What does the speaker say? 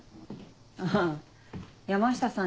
あぁ山下さん